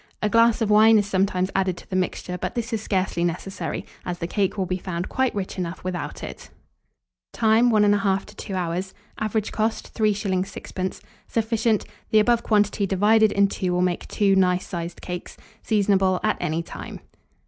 A glass of wine is sometimes added to the mixture; but this is scarcely necessary, as the cake will be found quite rich enough without it. Time. 1 1/2 to 2 hours. Average cost, 3s. 6d. Sufficient. The above quantity divided in two will make two nice sized cakes. Seasonable at any time.